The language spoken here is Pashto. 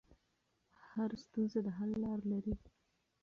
هر ستونزه د حل لار لري.